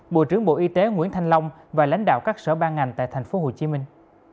bộ trưởng bộ y tế nguyễn thanh long và lãnh đạo các sở ban ngành tại thành phố hồ chí minh